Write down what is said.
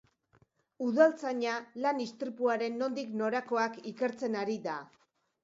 Udaltzaina lan-istripuaren nondik norakoak ikertzen ari da.